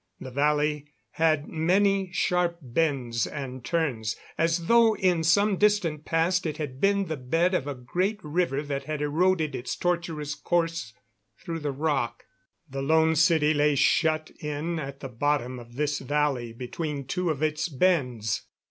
The valley had many sharp bends and turns, as though in some distant past it had been the bed of a great river that had eroded its tortuous course through the rock. The Lone City lay shut in at the bottom of this valley between two of its bends.